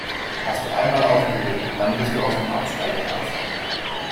Hast du einmal aufgegeben, dann bist du auf dem absteigenden Ast.